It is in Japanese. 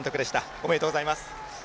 ありがとうございます。